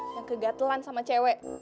yang kegatelan sama cewe